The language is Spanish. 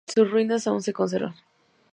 Sus ruinas aún se conservan.